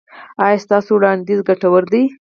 ایا ستاسو وړاندیز ګټور دی؟